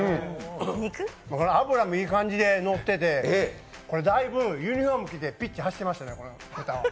脂もいい感じでのってて、これ、だいぶユニフォーム着てピッチを走ってましたね、この豚。